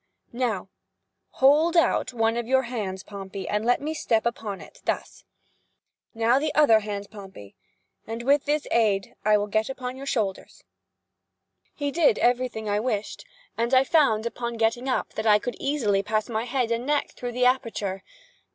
Now, hold out one of your hands, Pompey, and let me step upon it—thus. Now, the other hand, Pompey, and with its aid I will get upon your shoulders." He did every thing I wished, and I found, upon getting up, that I could easily pass my head and neck through the aperture.